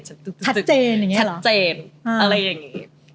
ชัดเจนชัดเจนอะไรอย่างนี้